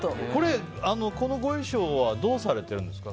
このご衣裳はどうされてるんですか？